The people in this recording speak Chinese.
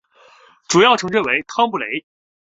主要城镇为康布雷。